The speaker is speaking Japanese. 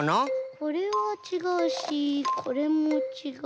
これはちがうしこれもちがう。